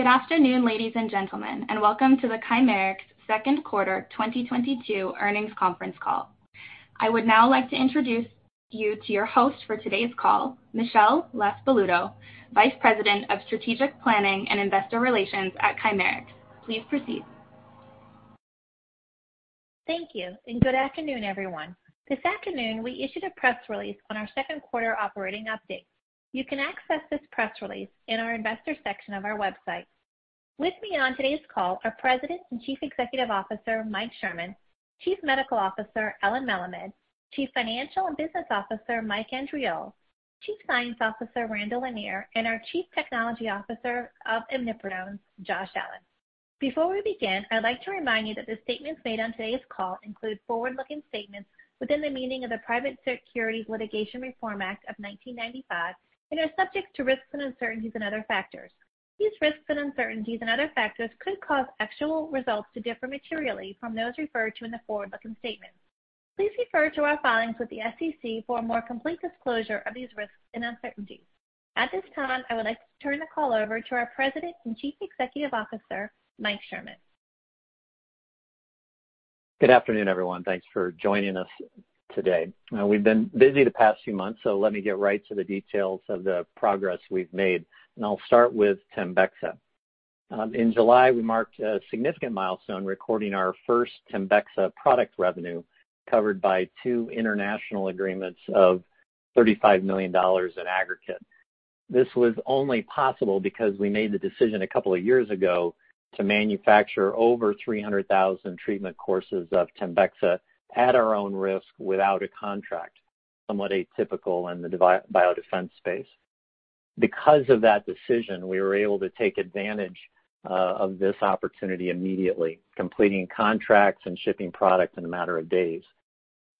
Good afternoon, ladies and gentlemen, and welcome to the Chimerix second quarter 2022 earnings conference call. I would now like to introduce you to your host for today's call, Michelle LaSpaluto, Vice President of Strategic Planning and Investor Relations at Chimerix. Please proceed. Thank you, and good afternoon, everyone. This afternoon, we issued a press release on our second quarter operating update. You can access this press release in our investor section of our website. With me on today's call are President and Chief Executive Officer, Mike Sherman, Chief Medical Officer, Allen Melemed, Chief Financial and Business Officer, Mike Andriole, Chief Science Officer, Randall Lanier, and our Chief Technology Officer of Imipridones, Josh Allen. Before we begin, I'd like to remind you that the statements made on today's call include forward-looking statements within the meaning of the Private Securities Litigation Reform Act of 1995 and are subject to risks and uncertainties and other factors. These risks and uncertainties and other factors could cause actual results to differ materially from those referred to in the forward-looking statements. Please refer to our filings with the SEC for a more complete disclosure of these risks and uncertainties. At this time, I would like to turn the call over to our President and Chief Executive Officer, Mike Sherman. Good afternoon, everyone. Thanks for joining us today. We've been busy the past few months, so let me get right to the details of the progress we've made, and I'll start with TEMBEXA. In July, we marked a significant milestone recording our first TEMBEXA product revenue covered by two international agreements of $35 million in aggregate. This was only possible because we made the decision a couple of years ago to manufacture over 300,000 treatment courses of TEMBEXA at our own risk without a contract, somewhat atypical in the biodefense space. Because of that decision, we were able to take advantage of this opportunity immediately, completing contracts and shipping products in a matter of days.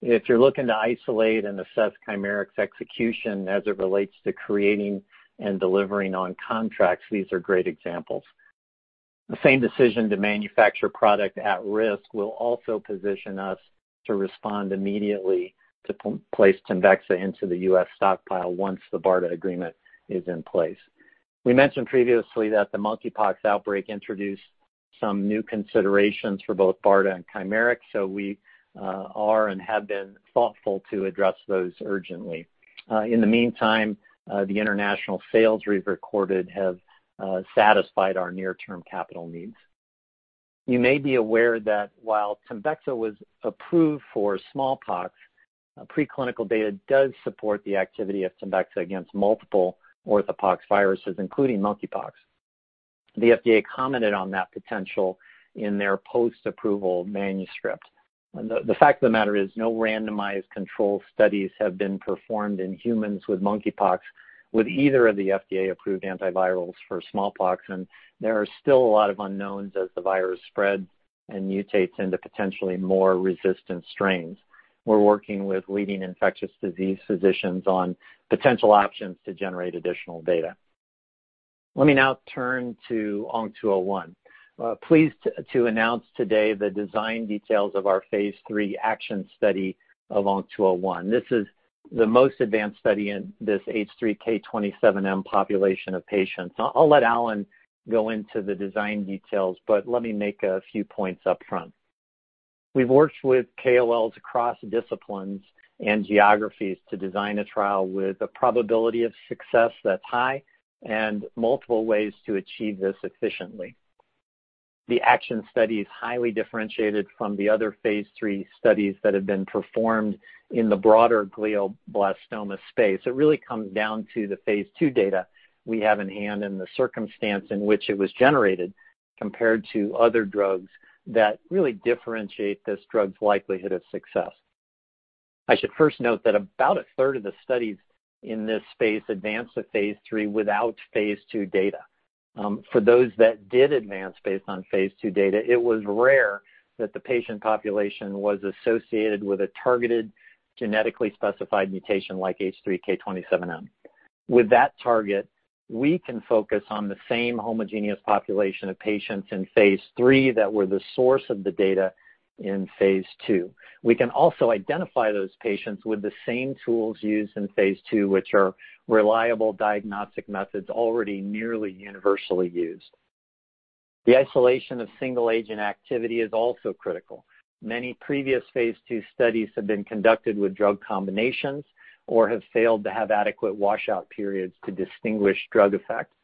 If you're looking to isolate and assess Chimerix execution as it relates to creating and delivering on contracts, these are great examples. The same decision to manufacture product at risk will also position us to respond immediately to place TEMBEXA into the U.S. stockpile once the BARDA agreement is in place. We mentioned previously that the monkeypox outbreak introduced some new considerations for both BARDA and Chimerix, so we are and have been thoughtful to address those urgently. In the meantime, the international sales we've recorded have satisfied our near-term capital needs. You may be aware that while TEMBEXA was approved for smallpox, preclinical data does support the activity of TEMBEXA against multiple orthopoxviruses, including monkeypox. The FDA commented on that potential in their post-approval manuscript. The fact of the matter is no randomized controlled studies have been performed in humans with monkeypox with either of the FDA-approved antivirals for smallpox, and there are still a lot of unknowns as the virus spreads and mutates into potentially more resistant strains. We're working with leading infectious disease physicians on potential options to generate additional data. Let me now turn to ONC201. Pleased to announce today the design details of our phase III ACTION study of ONC201. This is the most advanced study in this H3K27M population of patients. I'll let Allen go into the design details, but let me make a few points up front. We've worked with KOLs across disciplines and geographies to design a trial with a probability of success that's high and multiple ways to achieve this efficiently. The ACTION study is highly differentiated from the other phase III studies that have been performed in the broader glioblastoma space. It really comes down to the phase II data we have in hand and the circumstance in which it was generated compared to other drugs that really differentiate this drug's likelihood of success. I should first note that about 1/3 of the studies in this space advance to phase III without phase II data. For those that did advance based on phase II data, it was rare that the patient population was associated with a targeted genetically specified mutation like H3K27M. With that target, we can focus on the same homogeneous population of patients in phase III that were the source of the data in phase II. We can also identify those patients with the same tools used in phase II, which are reliable diagnostic methods already nearly universally used. The isolation of single-agent activity is also critical. Many previous phase II studies have been conducted with drug combinations or have failed to have adequate washout periods to distinguish drug effects.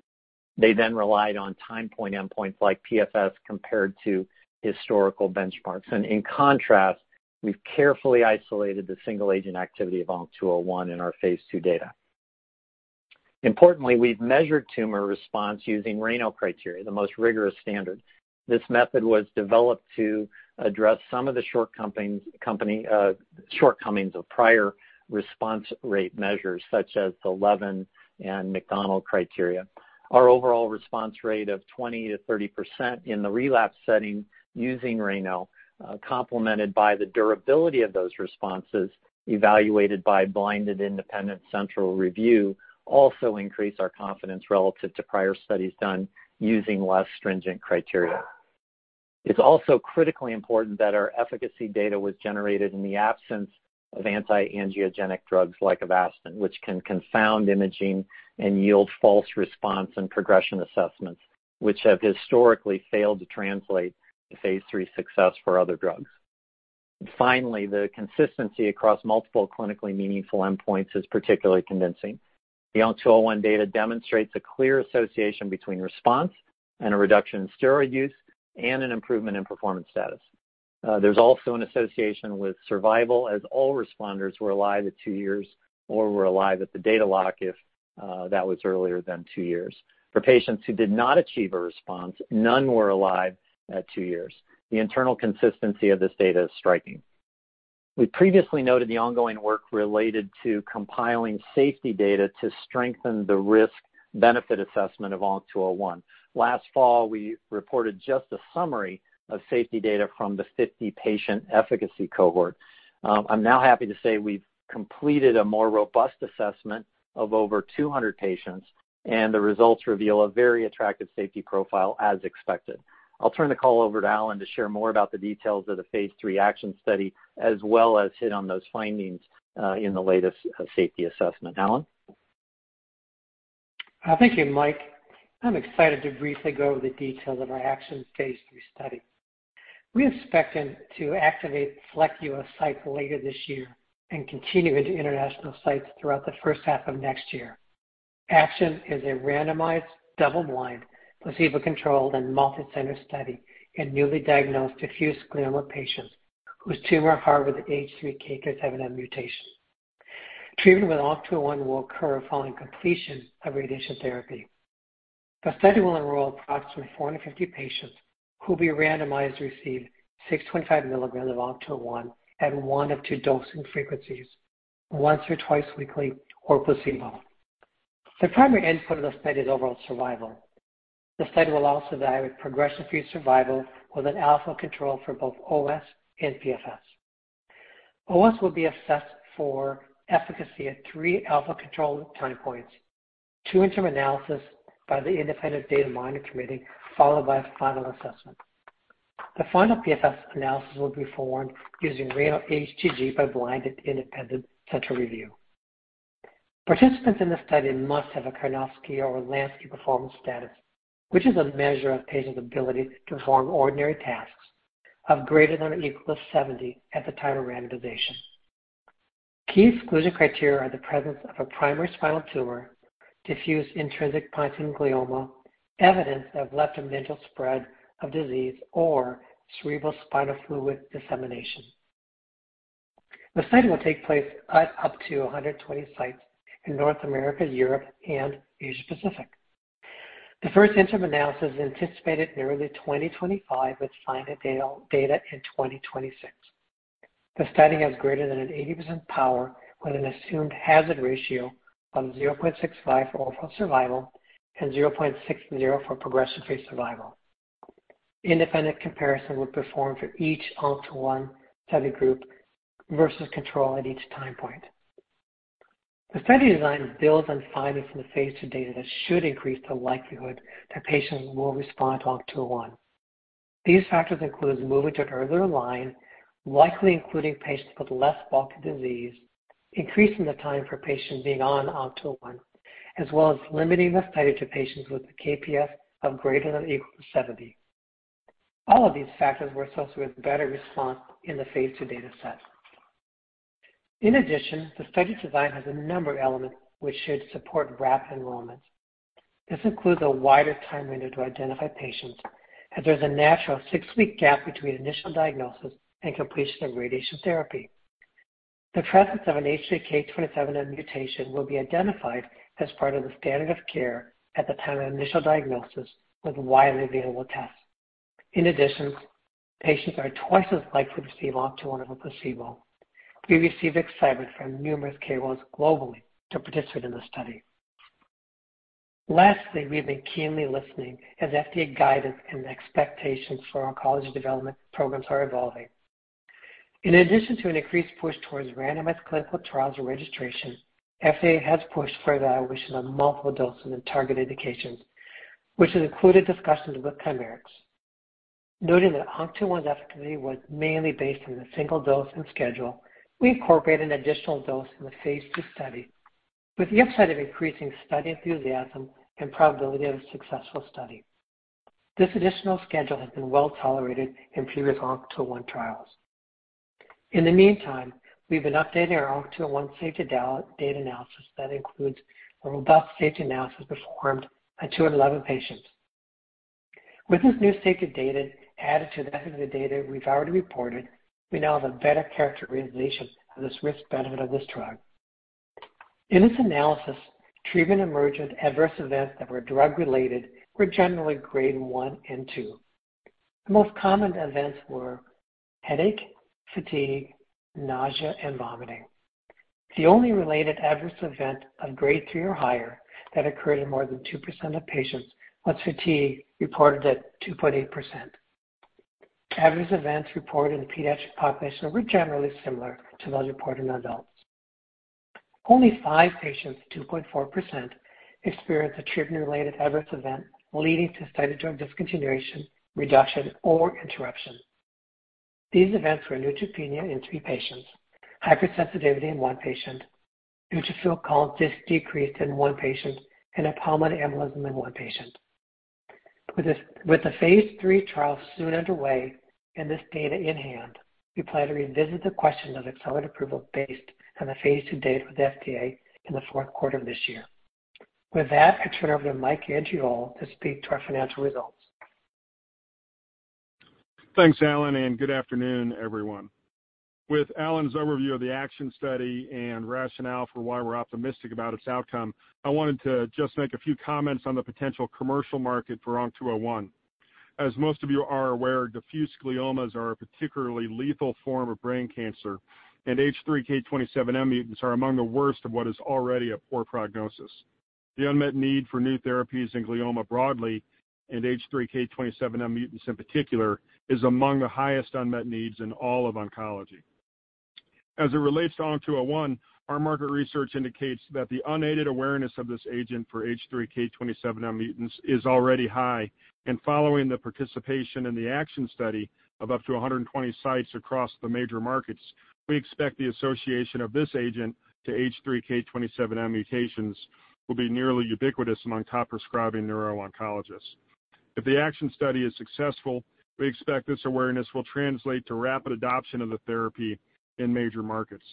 They then relied on time point endpoints like PFS compared to historical benchmarks. In contrast, we've carefully isolated the single-agent activity of ONC201 in our phase II data. Importantly, we've measured tumor response using RANO criteria, the most rigorous standard. This method was developed to address some of the shortcomings of prior response rate measures such as the Levin and Macdonald criteria. Our overall response rate of 20%-30% in the relapse setting using RANO, complemented by the durability of those responses evaluated by blinded independent central review also increase our confidence relative to prior studies done using less stringent criteria. It's also critically important that our efficacy data was generated in the absence of anti-angiogenic drugs like Avastin, which can confound imaging and yield false response and progression assessments, which have historically failed to translate to phase III success for other drugs. Finally, the consistency across multiple clinically meaningful endpoints is particularly convincing. The ONC201 data demonstrates a clear association between response and a reduction in steroid use and an improvement in performance status. There's also an association with survival as all responders were alive at two years or were alive at the data lock if that was earlier than two years. For patients who did not achieve a response, none were alive at two years. The internal consistency of this data is striking. We previously noted the ongoing work related to compiling safety data to strengthen the risk-benefit assessment of ONC201. Last fall, we reported just a summary of safety data from the 50-patient efficacy cohort. I'm now happy to say we've completed a more robust assessment of over 200 patients, and the results reveal a very attractive safety profile as expected. I'll turn the call over to Allen to share more about the details of the phase III ACTION study, as well as hit on those findings in the latest safety assessment. Allen? Thank you, Mike. I'm excited to briefly go over the details of our ACTION phase III study. We expect them to activate select U.S. sites later this year and continue into international sites throughout the first half of next year. ACTION is a randomized, double-blind, placebo-controlled, and multicenter study in newly diagnosed diffuse glioma patients whose tumor harbors the H3K27M mutation. Treatment with ONC201 will occur following completion of radiation therapy. The study will enroll approximately 450 patients who will be randomized to receive 625 mg of ONC201 at one of two dosing frequencies, once or twice weekly, or placebo. The primary endpoint of the study is overall survival. The study will also evaluate progression-free survival with an alpha control for both OS and PFS. OS will be assessed for efficacy at three alpha control time points, two interim analyses by the independent data monitoring committee, followed by a final assessment. The final PFS analysis will be performed using RANO-HGG by blinded independent central review. Participants in the study must have a Karnofsky or Lansky performance status, which is a measure of patient's ability to perform ordinary tasks of greater than or equal to 70 at the time of randomization. Key exclusion criteria are the presence of a primary spinal tumor, diffuse intrinsic pontine glioma, evidence of leptomeningeal spread of disease, or cerebrospinal fluid dissemination. The study will take place at up to 120 sites in North America, Europe, and Asia-Pacific. The first interim analysis is anticipated in early 2025, with final data in 2026. The study has greater than 80% power with an assumed hazard ratio of 0.65 for overall survival and 0.60 for progression-free survival. Independent comparison will perform for each ONC201 study group versus control at each time point. The study design builds on findings from the phase II data that should increase the likelihood that patients will respond to ONC201. These factors include moving to an earlier line, likely including patients with less bulky disease, increasing the time for patients being on ONC201, as well as limiting the study to patients with a KPS of greater than or equal to 70. All of these factors were associated with better response in the phase II dataset. In addition, the study design has a number of elements which should support rapid enrollment. This includes a wider time window to identify patients, and there's a natural six-week gap between initial diagnosis and completion of radiation therapy. The presence of an H3K27M mutation will be identified as part of the standard of care at the time of initial diagnosis with widely available tests. In addition, patients are twice as likely to receive ONC201 over placebo. We receive excitement from numerous KOLs globally to participate in the study. Lastly, we've been keenly listening as FDA guidance and expectations for oncology development programs are evolving. In addition to an increased push towards randomized clinical trials and registration, FDA has pushed for evaluation of multiple dosing and target indications, which has included discussions with Chimerix. Noting that ONC201's efficacy was mainly based on the single dose and schedule, we incorporated an additional dose in the phase II study with the upside of increasing study enthusiasm and probability of a successful study. This additional schedule has been well-tolerated in previous ONC201 trials. In the meantime, we've been updating our ONC201 safety data analysis that includes a robust safety analysis performed on 211 patients. With this new safety data added to the efficacy data we've already reported, we now have a better characterization of this risk-benefit of this drug. In this analysis, treatment-emergent adverse events that were drug-related were generally grade 1 and 2. The most common events were headache, fatigue, nausea, and vomiting. The only related adverse event of grade 3 or higher that occurred in more than 2% of patients was fatigue, reported at 2.8%. Adverse events reported in the pediatric population were generally similar to those reported in adults. Only five patients, 2.4%, experienced a treatment-related adverse event leading to study drug discontinuation, reduction, or interruption. These events were neutropenia in three patients, hypersensitivity in one patient, neutrophil count decreased in one patient, and a pulmonary embolism in one patient. With the phase III trial soon underway and this data in hand, we plan to revisit the question of accelerated approval based on the phase II data with FDA in the fourth quarter of this year. With that, I turn it over to Mike Andriole to speak to our financial results. Thanks, Allen, and good afternoon, everyone. With Allen's overview of the ACTION study and rationale for why we're optimistic about its outcome, I wanted to just make a few comments on the potential commercial market for ONC201. As most of you are aware, diffuse gliomas are a particularly lethal form of brain cancer, and H3K27M mutants are among the worst of what is already a poor prognosis. The unmet need for new therapies in glioma broadly, and H3K27M mutants in particular, is among the highest unmet needs in all of oncology. As it relates to ONC201, our market research indicates that the unaided awareness of this agent for H3K27M mutants is already high. Following the participation in the ACTION study of up to 120 sites across the major markets, we expect the association of this agent to H3K27M mutations will be nearly ubiquitous among top-prescribing neuro-oncologists. If the ACTION study is successful, we expect this awareness will translate to rapid adoption of the therapy in major markets.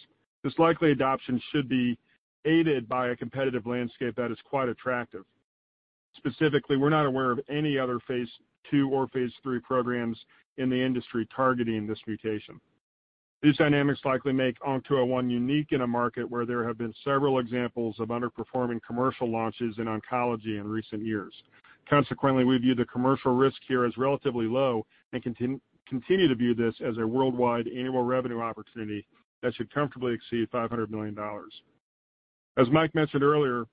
This likely adoption should be aided by a competitive landscape that is quite attractive. Specifically, we're not aware of any other phase II or phase III programs in the industry targeting this mutation. These dynamics likely make ONC201 unique in a market where there have been several examples of underperforming commercial launches in oncology in recent years. Consequently, we view the commercial risk here as relatively low and continue to view this as a worldwide annual revenue opportunity that should comfortably exceed $500 million. As Mike mentioned earlier,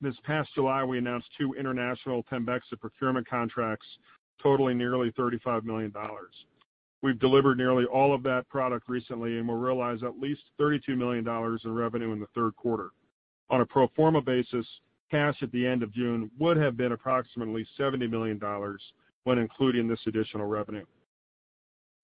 this past July, we announced two international TEMBEXA procurement contracts totaling nearly $35 million. We've delivered nearly all of that product recently, and we'll realize at least $32 million in revenue in the third quarter. On a pro forma basis, cash at the end of June would have been approximately $70 million when including this additional revenue.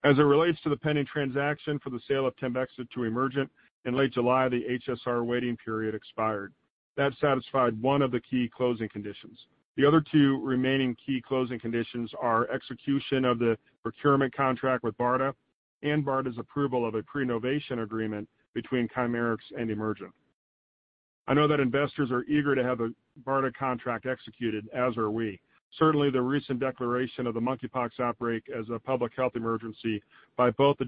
As it relates to the pending transaction for the sale of TEMBEXA to Emergent BioSolutions, in late July, the HSR waiting period expired. That satisfied one of the key closing conditions. The other two remaining key closing conditions are execution of the procurement contract with BARDA and BARDA's approval of a pre-novation agreement between Chimerix and Emergent BioSolutions. I know that investors are eager to have a BARDA contract executed, as are we. Certainly, the recent declaration of the monkeypox outbreak as a public health emergency by both the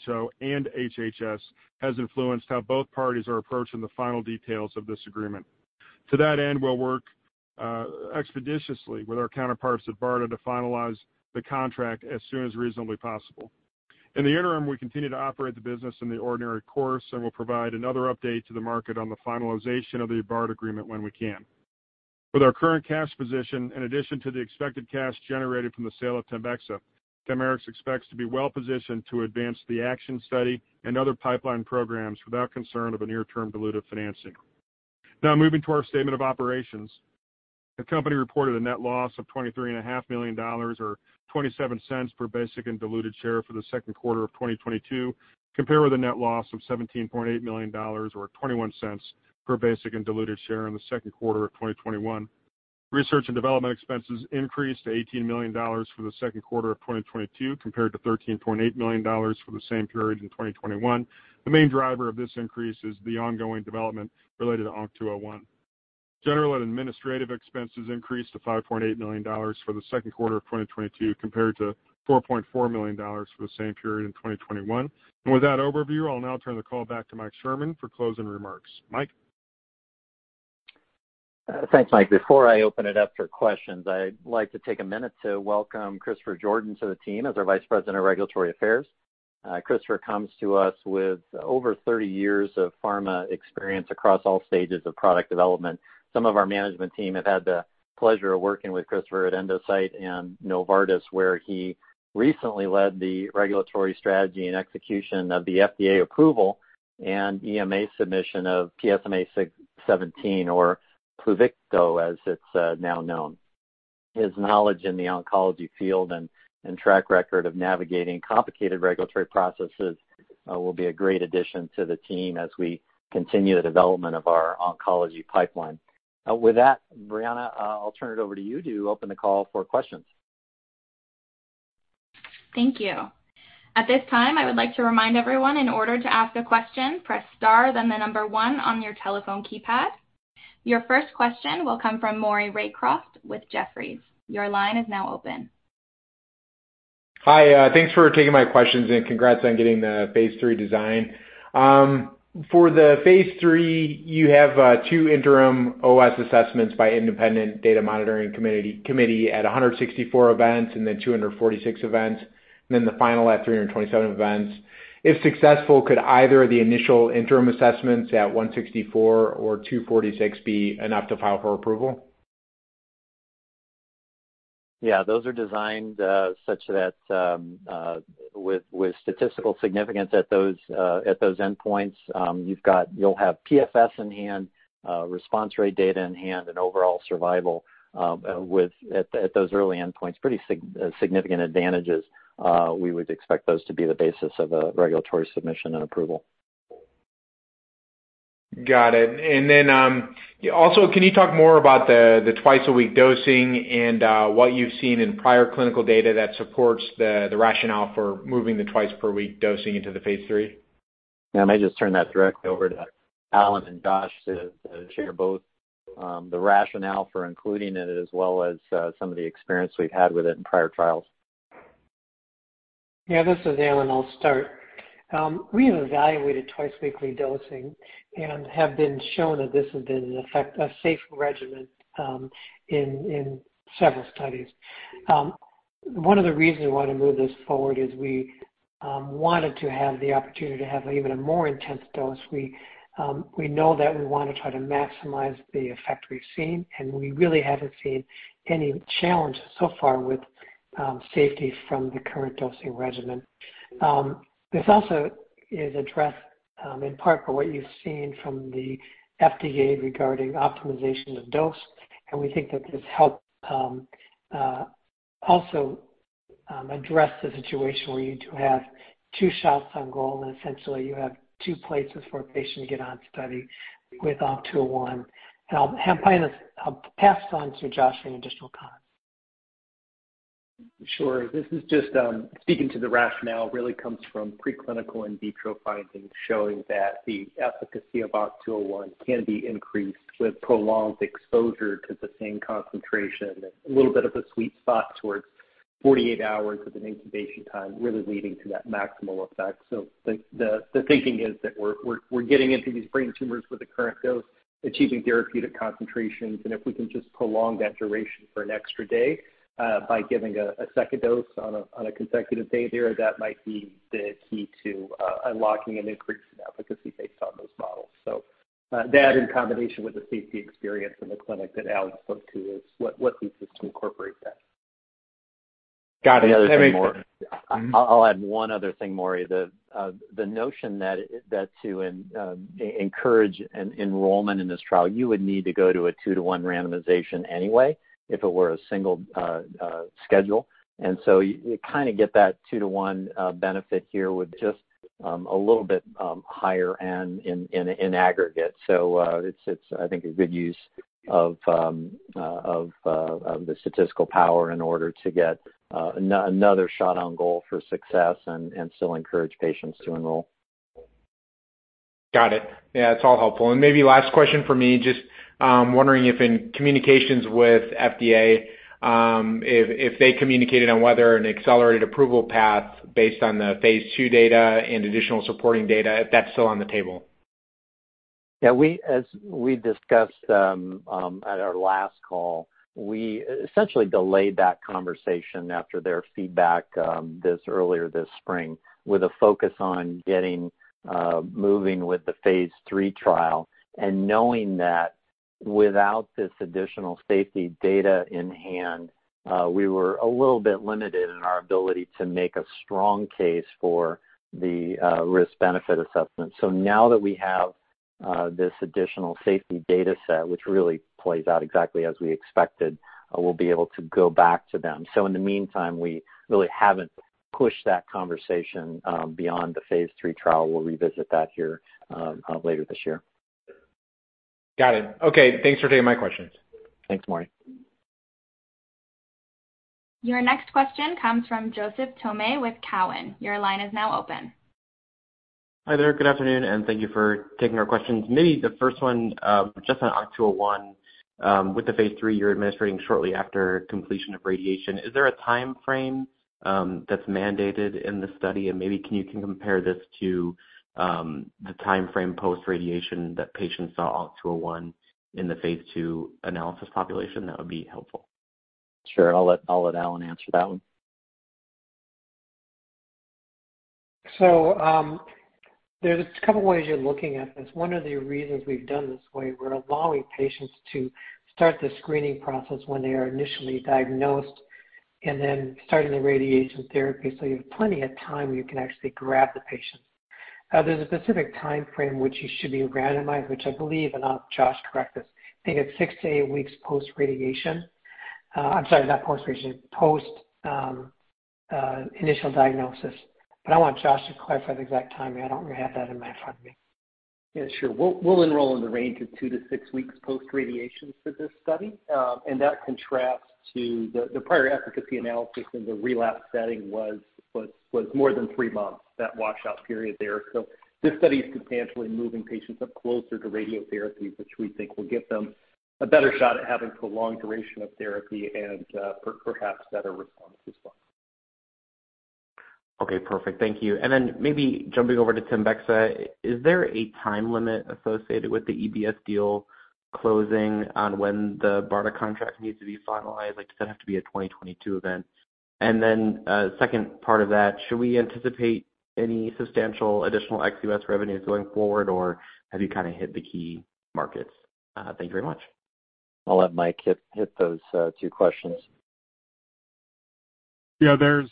WHO and HHS has influenced how both parties are approaching the final details of this agreement. To that end, we'll work expeditiously with our counterparts at BARDA to finalize the contract as soon as reasonably possible. In the interim, we continue to operate the business in the ordinary course, and we'll provide another update to the market on the finalization of the BARDA agreement when we can. With our current cash position, in addition to the expected cash generated from the sale of TEMBEXA, Chimerix expects to be well-positioned to advance the ACTION study and other pipeline programs without concern of a near-term dilutive financing. Now, moving to our statement of operations. The company reported a net loss of $23.5 million, or $0.27 per basic and diluted share for the second quarter of 2022, compared with a net loss of $17.8 million, or $0.21 per basic and diluted share in the second quarter of 2021. Research and development expenses increased to $18 million for the second quarter of 2022, compared to $13.8 million for the same period in 2021. The main driver of this increase is the ongoing development related to ONC201. General and administrative expenses increased to $5.8 million for the second quarter of 2022, compared to $4.4 million for the same period in 2021. With that overview, I'll now turn the call back to Mike Sherman for closing remarks. Mike? Thanks, Mike. Before I open it up for questions, I'd like to take a minute to welcome Christopher Jordan to the team as our Vice President of Regulatory Affairs. Christopher comes to us with over 30 years of pharma experience across all stages of product development. Some of our management team have had the pleasure of working with Christopher at Endocyte and Novartis, where he recently led the regulatory strategy and execution of the FDA approval and EMA submission of PSMA-617, or Pluvicto, as it's now known. His knowledge in the oncology field and track record of navigating complicated regulatory processes will be a great addition to the team as we continue the development of our oncology pipeline. With that, Brianna, I'll turn it over to you to open the call for questions. Thank you. At this time, I would like to remind everyone, in order to ask a question, press star then the number one on your telephone keypad. Your first question will come from Maury Raycroft with Jefferies. Your line is now open. Hi. Thanks for taking my questions and congrats on getting the phase III design. For the phase III, you have two interim OS assessments by independent data monitoring committee at 164 events and then 246 events, and then the final at 327 events. If successful, could either of the initial interim assessments at 164 or 246 be enough to file for approval? Yeah, those are designed such that with statistical significance at those endpoints. You'll have PFS in hand, response rate data in hand, and overall survival with at those early endpoints, pretty significant advantages. We would expect those to be the basis of a regulatory submission and approval. Got it. Also, can you talk more about the twice-a-week dosing and what you've seen in prior clinical data that supports the rationale for moving the twice-per-week dosing into phase III? Yeah. I might just turn that directly over to Allen and Josh to share both the rationale for including it as well as some of the experience we've had with it in prior trials. This is Allen. I'll start. We have evaluated twice weekly dosing and have shown that this has been effective, a safe regimen, in several studies. One of the reasons we wanna move this forward is we wanted to have the opportunity to have even a more intense dose. We know that we wanna try to maximize the effect we've seen, and we really haven't seen any challenge so far with safety from the current dosing regimen. This also is addressed in part by what you've seen from the FDA regarding optimization of dose, and we think that this helps also address the situation where you do have two shots on goal and essentially you have two places for a patient to get on study with ONC201. Finally, I'll pass it on to Josh for any additional comments. Sure. This is just speaking to the rationale really comes from preclinical in vitro findings showing that the efficacy of ONC201 can be increased with prolonged exposure to the same concentration. A little bit of a sweet spot toward 48 hours with an incubation time, really leading to that maximal effect. The thinking is that we're getting into these brain tumors with the current dose, achieving therapeutic concentrations, and if we can just prolong that duration for an extra day, by giving a second dose on a consecutive day there, that might be the key to unlocking an increased efficacy based on those models. That in combination with the safety experience in the clinic that Allen spoke to is what leads us to incorporate that. Got it. The other thing, Maury. Mm-hmm. I'll add one other thing, Maury. The notion that to encourage an enrollment in this trial, you would need to go to a 2-to-1 randomization anyway if it were a single schedule. You kinda get that 2-to-1 benefit here with just a little bit higher end in aggregate. It's a good use of the statistical power in order to get another shot on goal for success and still encourage patients to enroll. Got it. Yeah, it's all helpful. Maybe last question from me, just, wondering if in communications with FDA, if they communicated on whether an accelerated approval path based on the phase II data and additional supporting data, if that's still on the table? As we discussed at our last call, we essentially delayed that conversation after their feedback earlier this spring with a focus on getting moving with the phase III trial and knowing that without this additional safety data in hand, we were a little bit limited in our ability to make a strong case for the risk-benefit assessment. Now that we have this additional safety dataset, which really plays out exactly as we expected, we'll be able to go back to them. In the meantime, we really haven't pushed that conversation beyond the phase III trial. We'll revisit that here later this year. Got it. Okay. Thanks for taking my questions. Thanks, Maury. Your next question comes from Joseph Thome with Cowen. Your line is now open. Hi there. Good afternoon, and thank you for taking our questions. Maybe the first one, just on ONC201, with the phase III you're administering shortly after completion of radiation. Is there a timeframe that's mandated in the study? Maybe can you compare this to the timeframe post-radiation that patients saw ONC201 in the phase II analysis population? That would be helpful. Sure. I'll let Allen answer that one. There's a couple ways you're looking at this. One of the reasons we've done this way, we're allowing patients to start the screening process when they are initially diagnosed and then starting the radiation therapy. You have plenty of time where you can actually grab the patient. There's a specific timeframe which you should be randomized, which I believe, and I'll have Josh correct this. I think it's six to eight weeks post-radiation. I'm sorry, not post-radiation, post-initial diagnosis. I want Josh to clarify the exact timing. I don't have that in front of me. Yeah, sure. We'll enroll in the range of two to six weeks post-radiation for this study. That contrasts to the prior efficacy analysis in the relapse setting was more than three months, that washout period there. This study is substantially moving patients up closer to radiotherapy, which we think will give them a better shot at having prolonged duration of therapy and perhaps better response as well. Okay, perfect. Thank you. Maybe jumping over to TEMBEXA, is there a time limit associated with the EBS deal closing on when the BARDA contract needs to be finalized? Like, does that have to be a 2022 event? Second part of that, should we anticipate any substantial additional ex-U.S. revenues going forward, or have you kind of hit the key markets? Thank you very much. I'll let Mike hit those two questions. Yeah, there's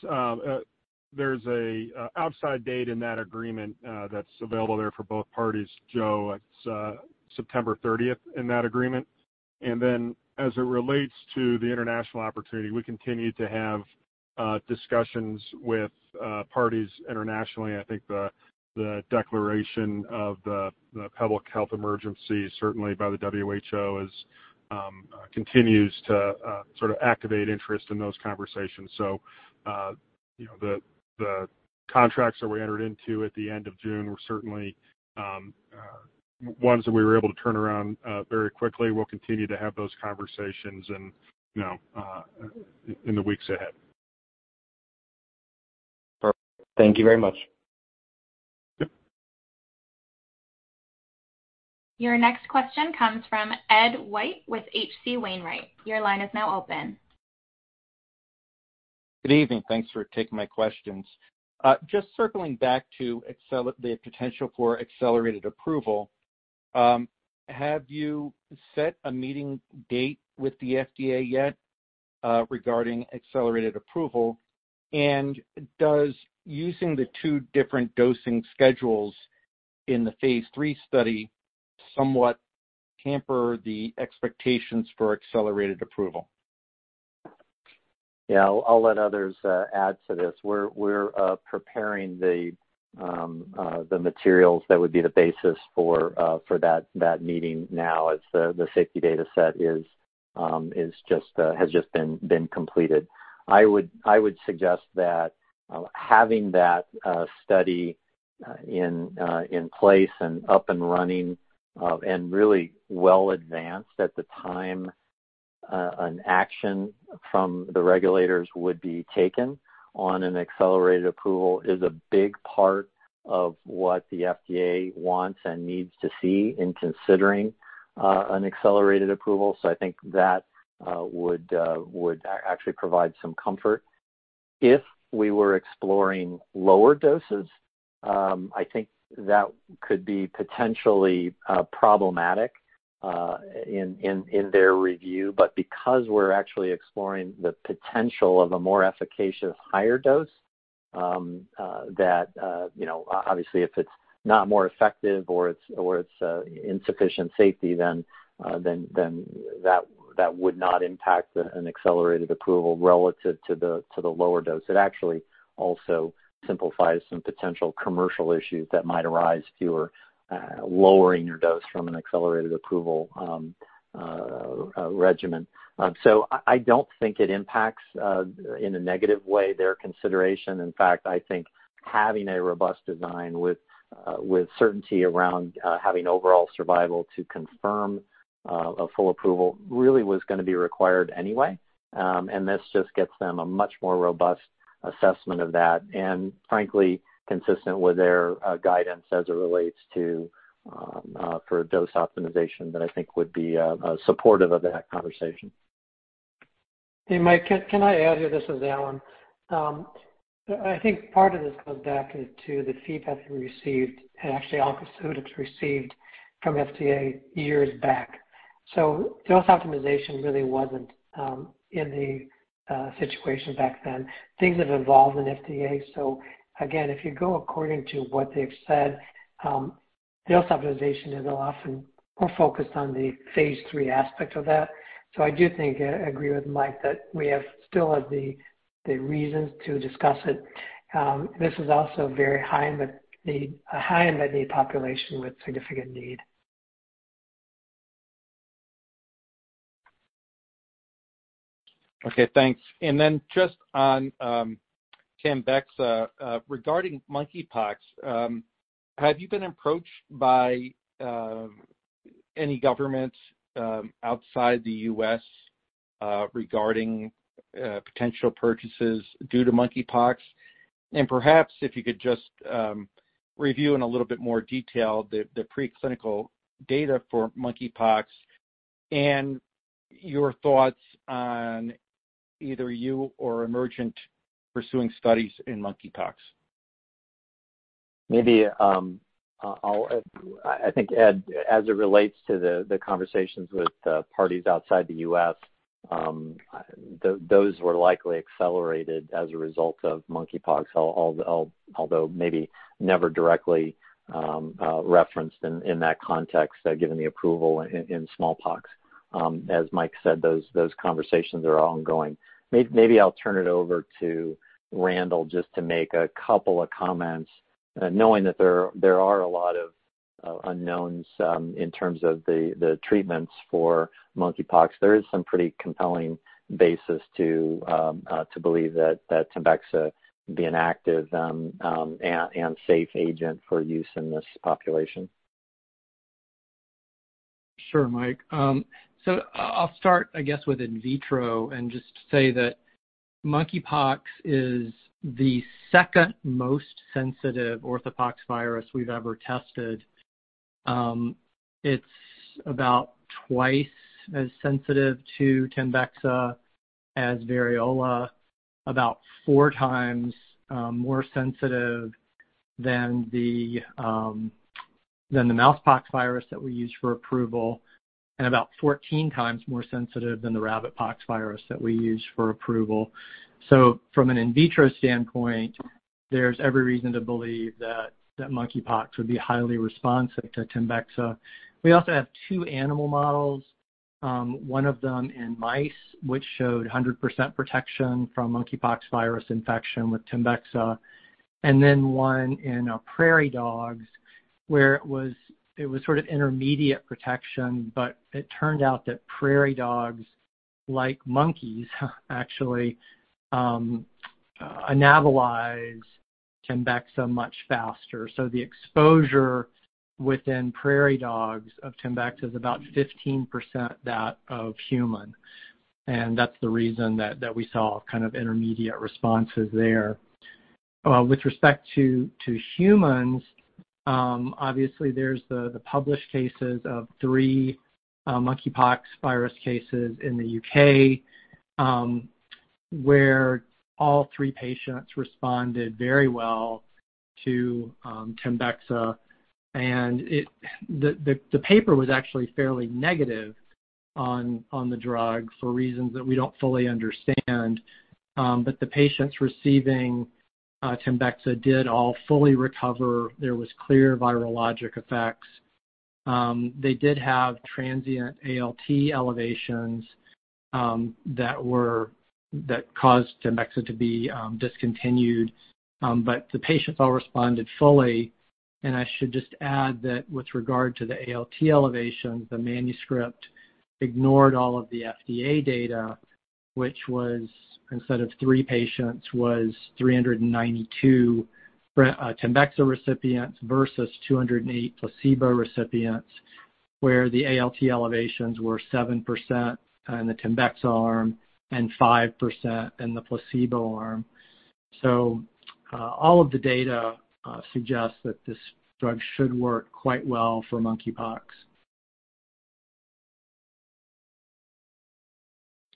an outside date in that agreement that's available there for both parties, Joe. It's September 30th in that agreement. As it relates to the international opportunity, we continue to have discussions with parties internationally. I think the declaration of the public health emergency, certainly by the WHO continues to sort of activate interest in those conversations. You know, the contracts that we entered into at the end of June were certainly ones that we were able to turn around very quickly. We'll continue to have those conversations and, you know, in the weeks ahead. Perfect. Thank you very much. Yep. Your next question comes from Ed White with H.C. Wainwright. Your line is now open. Good evening. Thanks for taking my questions. Just circling back to the potential for accelerated approval, have you set a meeting date with the FDA yet regarding accelerated approval? And does using the two different dosing schedules in the phase III study somewhat hamper the expectations for accelerated approval? Yeah. I'll let others add to this. We're preparing the materials that would be the basis for that meeting now as the safety dataset has just been completed. I would suggest that having that study in place and up and running and really well advanced at the time an action from the regulators would be taken on an accelerated approval is a big part of what the FDA wants and needs to see in considering an accelerated approval. I think that would actually provide some comfort. If we were exploring lower doses, I think that could be potentially problematic in their review. Because we're actually exploring the potential of a more efficacious higher dose, that you know, obviously, if it's not more effective or it's insufficient safety, then that would not impact an accelerated approval relative to the lower dose. It actually also simplifies some potential commercial issues that might arise if you were lowering your dose from an accelerated approval regimen. I don't think it impacts in a negative way their consideration. In fact, I think having a robust design with certainty around having overall survival to confirm a full approval really was gonna be required anyway. This just gets them a much more robust assessment of that, and frankly, consistent with their guidance as it relates to, for dose optimization that I think would be supportive of that conversation. Hey, Mike, can I add here? This is Allen Melemed. I think part of this goes back to the feedback we received, and actually ONC201 received from FDA years back. Dose optimization really wasn't in the situation back then. Things have evolved in FDA. Again, if you go according to what they've said, dose optimization is often more focused on the phase III aspect of that. I do think I agree with Mike that we still have the reasons to discuss it. This is also very high in the need, a high unmet need population with significant need. Okay, thanks. Then just on TEMBEXA regarding monkeypox, have you been approached by any governments outside the U.S. regarding potential purchases due to monkeypox? Perhaps if you could just review in a little bit more detail the preclinical data for monkeypox and your thoughts on either you or Emergent pursuing studies in monkeypox. Maybe, I think, Ed, as it relates to the conversations with parties outside the U.S., those were likely accelerated as a result of monkeypox, although maybe never directly referenced in that context, given the approval in smallpox. As Mike said, those conversations are ongoing. Maybe I'll turn it over to Randall just to make a couple of comments, knowing that there are a lot of unknowns in terms of the treatments for monkeypox. There is some pretty compelling basis to believe that TEMBEXA be an active and safe agent for use in this population. Sure, Mike. I'll start, I guess, with in vitro and just say that monkeypox is the second most sensitive orthopoxvirus we've ever tested. It's about twice as sensitive to TEMBEXA as variola, about four times more sensitive than the mousepox virus that we use for approval, and about 14 times more sensitive than the rabbitpox virus that we use for approval. From an in vitro standpoint, there's every reason to believe that monkeypox would be highly responsive to TEMBEXA. We also have two animal models, one of them in mice, which showed 100% protection from monkeypox virus infection with TEMBEXA, and then one in prairie dogs, where it was sort of intermediate protection, but it turned out that prairie dogs, like monkeys, actually anabolize TEMBEXA much faster. The exposure within prairie dogs of TEMBEXA is about 15% that of human, and that's the reason that we saw kind of intermediate responses there. With respect to humans, obviously there's the published cases of three monkeypox virus cases in the U.K., where all three patients responded very well to TEMBEXA. The paper was actually fairly negative on the drug for reasons that we don't fully understand, but the patients receiving TEMBEXA did all fully recover. There was clear virologic effects. They did have transient ALT elevations that caused TEMBEXA to be discontinued. The patients all responded fully, and I should just add that with regard to the ALT elevations, the manuscript ignored all of the FDA data, which was, instead of three patients, 392 TEMBEXA recipients versus 208 placebo recipients, where the ALT elevations were 7% in the TEMBEXA arm and 5% in the placebo arm. All of the data suggests that this drug should work quite well for monkeypox.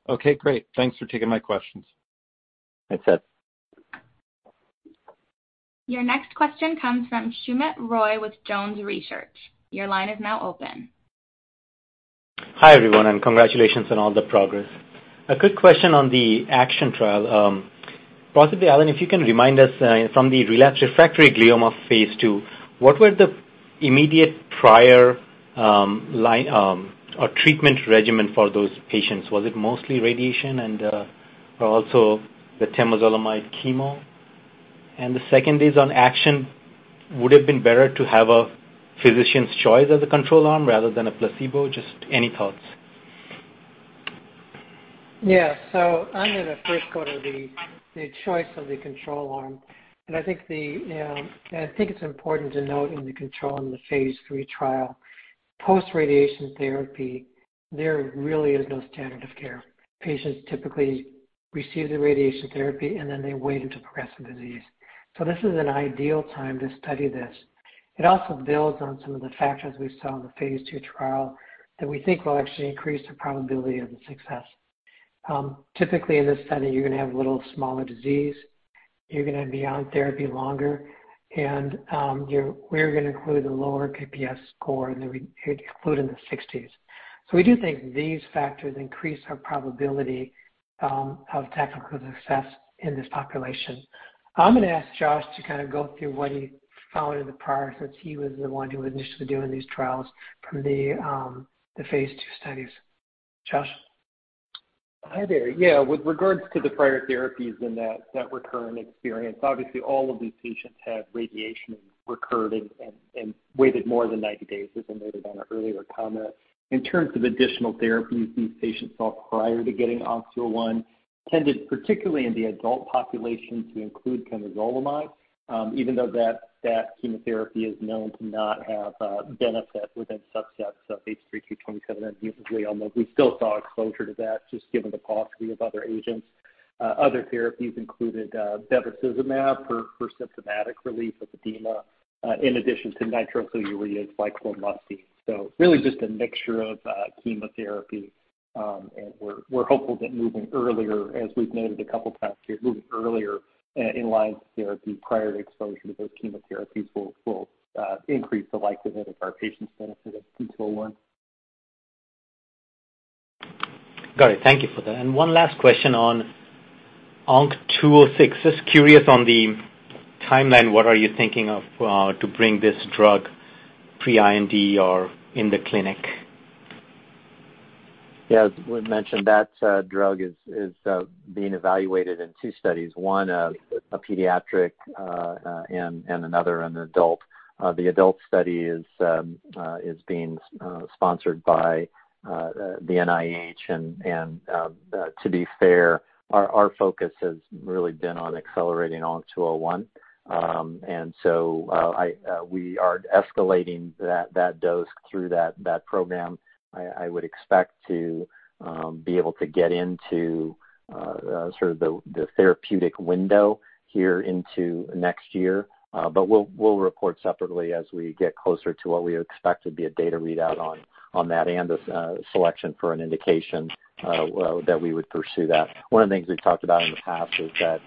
Okay, great. Thanks for taking my questions. Thanks, Ed White. Your next question comes from Soumit Roy with Jones Trading. Your line is now open. Hi, everyone, and congratulations on all the progress. A quick question on the ACTION trial. Possibly, Allen, if you can remind us, from the relapsed refractory glioma of phase II, what were the immediate prior, line, or treatment regimen for those patients? Was it mostly radiation and/or also the temozolomide chemo? The second is on ACTION. Would it have been better to have a physician's choice as a control arm rather than a placebo? Just any thoughts. Yeah. I'm gonna first go to the choice of the control arm, and I think it's important to note, in the control arm in the phase III trial, post-radiation therapy, there really is no standard of care. Patients typically receive the radiation therapy, and then they wait until progressive disease. This is an ideal time to study this. It also builds on some of the factors we saw in the phase II trial that we think will actually increase the probability of success. Typically in this study, you're gonna have a little smaller disease, you're gonna be on therapy longer, and we're gonna include a lower KPS score, including the 60s. We do think these factors increase our probability of technical success in this population. I'm gonna ask Josh to kind of go through what he found in the prior, since he was the one who was initially doing these trials from the phase II studies. Josh? Hi there. Yeah, with regards to the prior therapies and that recurrent experience, obviously all of these patients had radiation recurred and waited more than 90 days, as I noted on an earlier comment. In terms of additional therapies these patients saw prior to getting ONC201, tended, particularly in the adult population, to include temozolomide. Even though that chemotherapy is known to not have benefit within subsets of H3K27M-mutant glioma, we still saw exposure to that, just given the paucity of other agents. Other therapies included bevacizumab for symptomatic relief of edema, in addition to nitrosourea lomustine. Really just a mixture of chemotherapy. We're hopeful that moving earlier, as we've noted a couple times here, moving earlier in-line therapy prior to exposure to those chemotherapies will increase the likelihood of our patients benefiting from ONC201. Got it. Thank you for that. One last question on ONC206. Just curious on the timeline, what are you thinking of to bring this drug pre-IND or in the clinic? Yeah, as we mentioned, that drug is being evaluated in two studies, one pediatric and another in adult. The adult study is being sponsored by the NIH and, to be fair, our focus has really been on accelerating ONC201. We are escalating that dose through that program. I would expect to be able to get into sort of the therapeutic window here into next year. We'll report separately as we get closer to what we expect to be a data readout on that and a selection for an indication that we would pursue that. One of the things we've talked about in the past is that,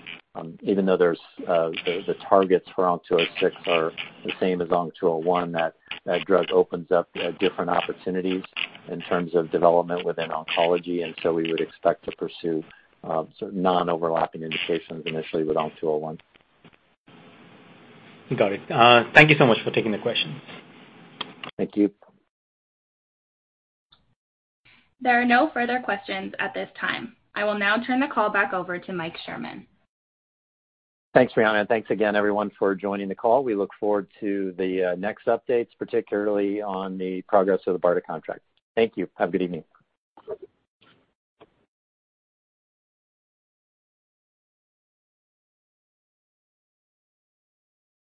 even though there's the targets for ONC206 are the same as ONC201, that drug opens up different opportunities in terms of development within oncology, and so we would expect to pursue sort of non-overlapping indications initially with ONC201. Got it. Thank you so much for taking the questions. Thank you. There are no further questions at this time. I will now turn the call back over to Mike Sherman. Thanks, Brianna. Thanks again, everyone, for joining the call. We look forward to the next updates, particularly on the progress of the BARDA contract. Thank you. Have a good evening.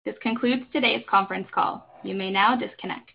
This concludes today's conference call. You may now disconnect.